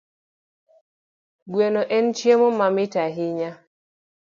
Gweno en chiemo mamit ahinya